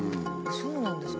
そうなんですか。